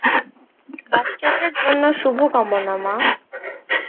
বাচ্চাটার জন্য শুভকামনা, মা।